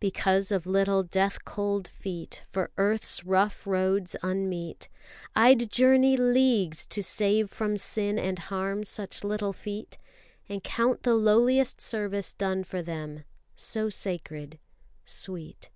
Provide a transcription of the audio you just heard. Because of little death cold feet, for earth's Rough roads unmeet, I'd journey leagues to save from sin and harm Such little feet. And count the lowliest service done for them So sacred sweet.